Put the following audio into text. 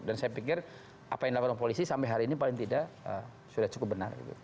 dan saya pikir apa yang laporan polisi sampai hari ini paling tidak sudah cukup benar gitu